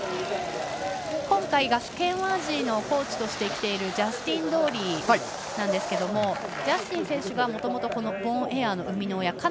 今回ガス・ケンワージーのコーチとしてきているジャスティン・ローリーなんですがジャスティン選手がもともとボーンエアの生みの親。